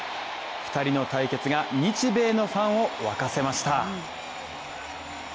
２人の対決が日米のファンを沸かせました。